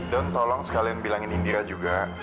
dan tolong sekalian bilangin indira juga